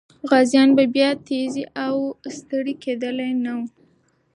غازيان به بیا تږي او ستړي کېدلي نه وو.